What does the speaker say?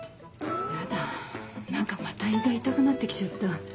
ヤダ何かまた胃が痛くなって来ちゃった。